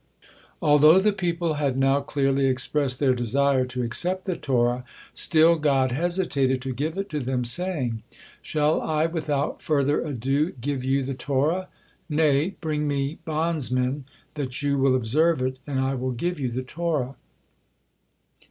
Although the people had now clearly expressed their desire to accept the Torah, still God hesitated to give it to them, saying: "Shall I without further ado give you the Torah? Nay, bring Me bondsmen, that you will observe it, and I will give you the Torah."